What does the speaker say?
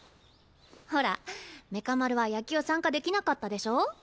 ほらメカ丸は野球参加できなかったでしょ？